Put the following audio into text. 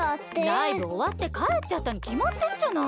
ライブおわってかえっちゃったにきまってるじゃない。